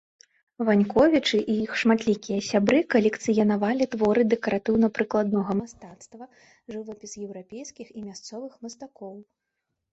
Ваньковічы і іх шматлікія сябры калекцыяніравалі творы дэкаратыўна-прыкладнога мастацтва, жывапіс еўрапейскіх і мясцовых мастакоў.